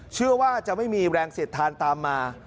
เชื่อว่าจะไม่มีแรงเสียดทานตามมา